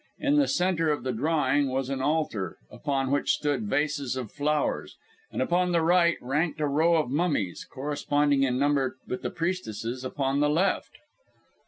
In the centre of the drawing was an altar, upon which stood vases of flowers; and upon the right ranked a row of mummies, corresponding in number with the priestesses upon the left.